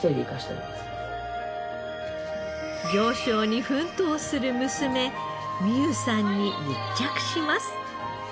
行商に奮闘する娘美有さんに密着します。